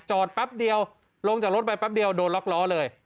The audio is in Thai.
แป๊บเดียวลงจากรถไปแป๊บเดียวโดนล็อกล้อเลย